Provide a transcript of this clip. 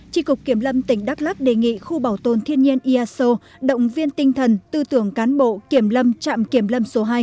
tri cục kiểm lâm tỉnh đắk lắc đề nghị khu bảo tồn thiên nhiên iaso động viên tinh thần tư tưởng cán bộ kiểm lâm trạm kiểm lâm số hai